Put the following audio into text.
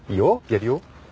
やるよ。